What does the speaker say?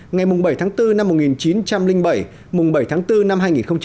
ngày bảy tháng bốn năm một nghìn chín trăm linh bảy bảy tháng bốn năm hai nghìn hai mươi